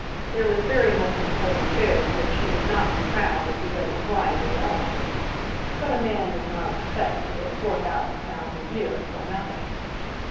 There was very much in the whole affair of which he would not be proud as he led his bride to the altar; but a man does not expect to get four thousand pounds a year for nothing.